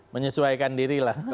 menyesuaikan diri lah